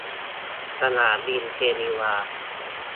สนามบินเจนีวา